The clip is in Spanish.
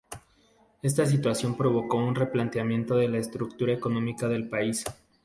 Esta situación provocó un replanteamiento de la estructura económica del país.